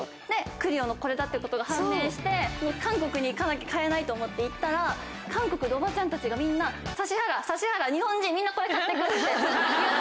ＣＬＩＯのこれだってことが判明して韓国に行かなきゃ買えないと思って行ったら韓国でおばちゃんたちがみんな。って言って。